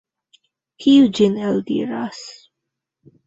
Kiu ĝin eldiras?